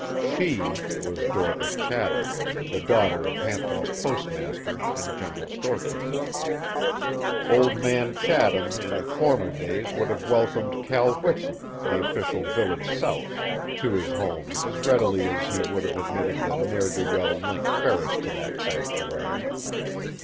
"She" was Dorcas Chatham, the daughter of Hampton's postmaster and general storekeeper. Old Man Chatham in former days would have welcomed Cal Whitson, the official village souse, to his home as readily as he would have admitted the ne'er do well Link Ferris to that sanctuary.